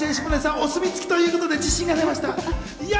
お墨付きということで自信がつきました。